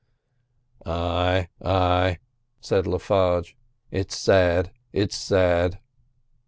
"Ay, ay," said Le Farge, "it's sad! it's sad!"